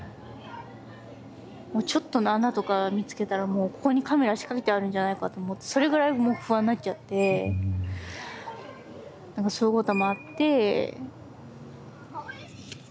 もうちょっとの穴とか見つけたらもうここにカメラ仕掛けてあるんじゃないかと思ってそれぐらいもう不安になっちゃってそういうこともあって。